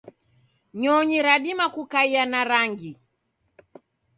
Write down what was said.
nyonyi radima kukaia na rangi